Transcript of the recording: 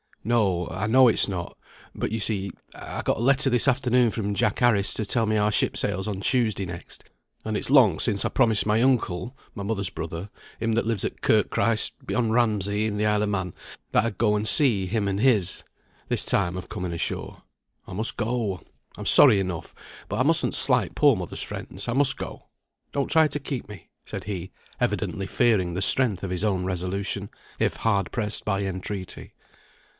"No; I know it's not. But, you see, I got a letter this afternoon from Jack Harris, to tell me our ship sails on Tuesday next; and it's long since I promised my uncle (my mother's brother, him that lives at Kirk Christ, beyond Ramsay, in the Isle of Man) that I'd go and see him and his, this time of coming ashore. I must go. I'm sorry enough; but I mustn't slight poor mother's friends. I must go. Don't try to keep me," said he, evidently fearing the strength of his own resolution, if hard pressed by entreaty.